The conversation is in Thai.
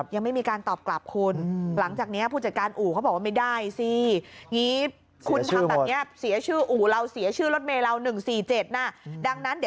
ยังไม่มีการตอบกลับคุณหลังจากเนี้ยผู้จัดการอู๋เขาบอกว่ามันไหวไม่ได้ที